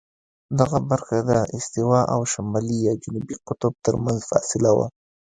دغه برخه د استوا او شمالي یا جنوبي قطب ترمنځ فاصله وه.